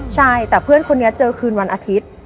ใช่แต่เพื่อนคนนี้เจอคืนวันอาทิตย์